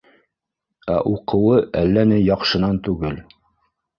Ә уҡыуы әллә ни яҡшынан түгел.